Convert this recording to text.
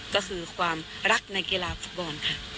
ก็คือความรักในกีฬาฟุตบอลค่ะ